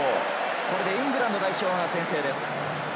これでイングランド代表が先制です。